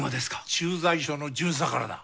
駐在所の巡査からだ。